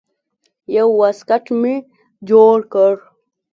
يو واسکټ مې جوړ کړ.